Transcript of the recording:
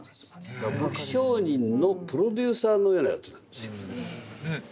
だから武器商人のプロデューサーのようなやつなんですよ。